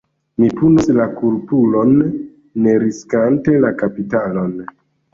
Mi punos la kulpulon, ne riskante la kapitalon.